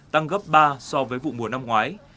tăng gấp ba so với vụ mùa năm ngoái